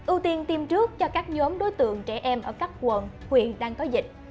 ưu tiên tiêm trước cho các nhóm đối tượng trẻ em ở các quận huyện đang có dịch